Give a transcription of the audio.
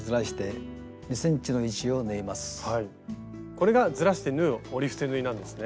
これがずらして縫う折り伏せ縫いなんですね。